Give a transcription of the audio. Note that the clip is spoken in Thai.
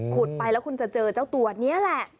ขุดไปแล้วก็คุณจะเจอเจ้าตัวนี้อ่ะแหละ